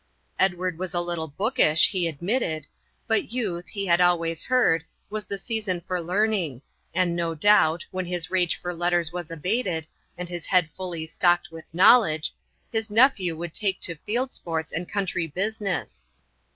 Edward was a little bookish, he admitted, but youth, he had always heard, was the season for learning, and, no doubt, when his rage for letters was abated, and his head fully stocked with knowledge, his nephew would take to field sports and country business.